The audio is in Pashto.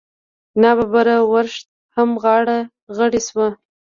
نا ببره ورښت هم غاړه غړۍ شو.